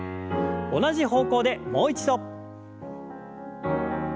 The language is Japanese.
同じ方向でもう一度。